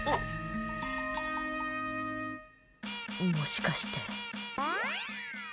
もしかして。